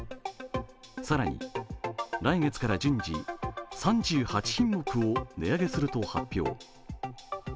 更に来月から順次、３８品目を値上げすると発表。